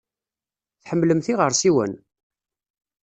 Tḥemmlemt iɣersiwen?